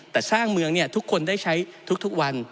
แต่สร้างเมืองทุกคนได้ใช้ทุกวัน